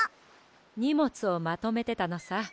にもつをまとめてたのさ。